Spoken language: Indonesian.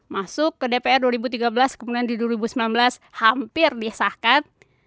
masuk ke dpr dua ribu tiga belas kemudian di dua ribu sembilan belas hampir disahkan